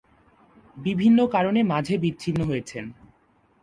বিভিন্ন কারণে মাঝে বিচ্ছিন্ন হয়েছেন।